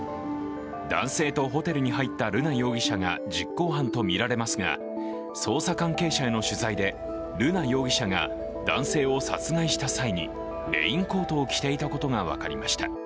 男性とホテルに入った瑠奈容疑者が実行犯とみられますが捜査関係者への取材で、瑠奈容疑者が男性を殺害した際にレインコートを着ていたことが分かりました。